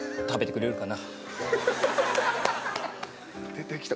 出てきた。